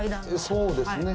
そうですね。